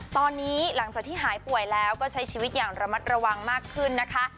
ตอนนี้หลังจากที่หายป่วยแล้วก็ใช้ชีวิตอย่างระมัดระวังมากขึ้นนะคะ